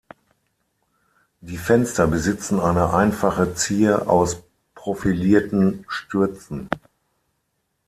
Die Fenster besitzen eine einfache Zier aus profilierten Stürzen.